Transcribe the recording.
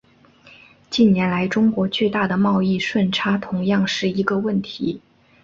近年来中国巨大的贸易顺差同样是一个问题。